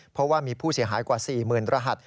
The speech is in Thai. เพราะว่ามีผู้เสียหายกว่า๔๐๐๐รหัส